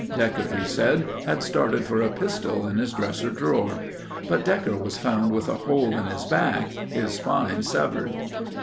Decker, he said, had started for a pistol in his dresser drawer. But Decker was found with a hole in his back, his spine severed.